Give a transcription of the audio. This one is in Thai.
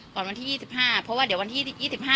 ก่อนวันที่ยี่สิบห้าเพราะว่าเดี๋ยววันที่ยี่สิบห้า